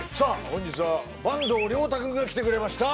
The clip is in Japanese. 本日は坂東龍汰君が来てくれました